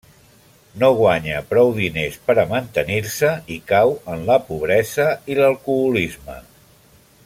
No guanya prou diners per a mantenir-se i cau en la pobresa i l'alcoholisme.